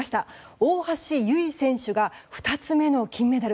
大橋悠依選手が２つ目の金メダル。